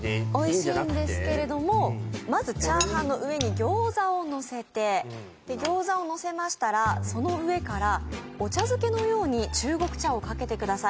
おいしいんですけれどもまず炒飯の上に餃子をのせて餃子をのせましたらその上からお茶漬けのように中国茶をかけてください